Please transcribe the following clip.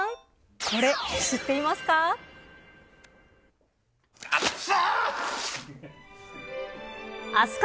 これ、知っていますか。